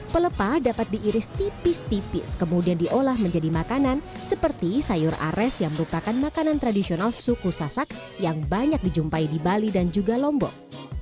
pelepa dapat diiris tipis tipis kemudian diolah menjadi makanan seperti sayur ares yang merupakan makanan tradisional suku sasak yang banyak dijumpai di bali dan juga lombok